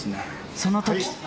そのとき。